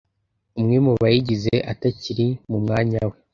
umwe mu bayigize atakiri mu mwanya we